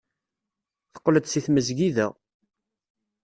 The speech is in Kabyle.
Teqqel-d seg tmesgida.